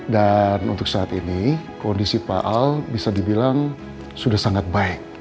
dan untuk saat ini kondisi pak al bisa dibilang sudah sangat baik